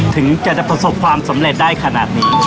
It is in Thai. ถึงจะประสบความสำเร็จได้ขนาดนี้